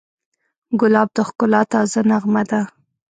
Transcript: ګلاب د ښکلا تازه نغمه ده.